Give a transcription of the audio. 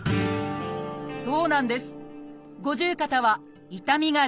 そうなんです！